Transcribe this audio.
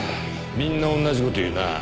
みんな同じ事を言うなぁ。